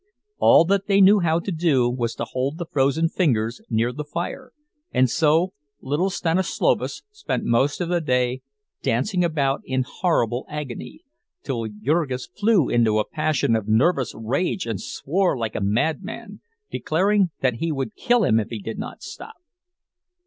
All that they knew how to do was to hold the frozen fingers near the fire, and so little Stanislovas spent most of the day dancing about in horrible agony, till Jurgis flew into a passion of nervous rage and swore like a madman, declaring that he would kill him if he did not stop.